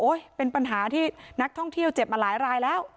เป็นปัญหาที่นักท่องเที่ยวเจ็บมาหลายรายแล้ว